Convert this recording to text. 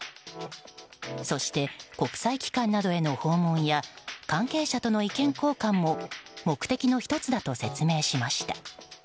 そして、国際機関などへの訪問や関係者との意見交換も目的の１つだと説明しました。